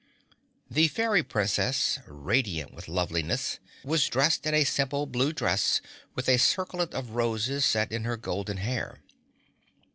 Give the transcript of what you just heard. The Fairy Princess, radiant with loveliness, was dressed in a simple, blue dress with a circlet of roses set in her golden hair.